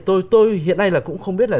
tôi hiện nay là cũng không biết là